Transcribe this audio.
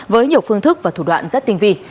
với nhiều phương thức và thủ đoạn rất tinh vị